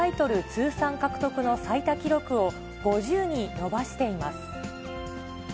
通算獲得の最多記録を、５０に伸ばしています。